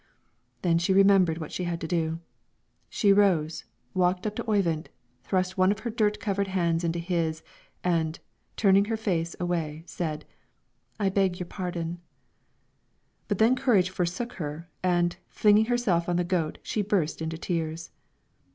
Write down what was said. Then she remembered what she had to do: she rose, walked up to Oyvind, thrust one of her dirt covered hands into his, and, turning her face away, said, "I beg your pardon." But then her courage forsook her, and, flinging herself on the goat, she burst into tears.